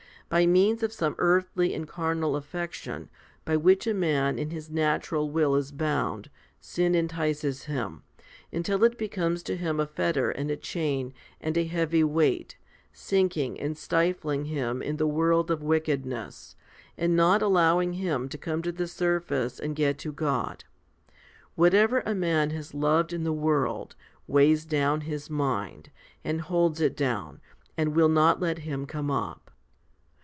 By means of some earthly and carnal affection, by which a man in his natural will is bound, sin entices him, until it becomes to him a fetter and a chain and a heavy weight, sinking and stifling him in the world of wickedness, and not allowing him to come to the surface and get to God. Whatever a man has loved in the world, weighs down his mind, and holds it down, and will not let him come up.